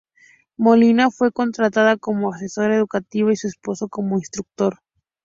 Molina fue contratada como asesora educativa y su esposo como instructor.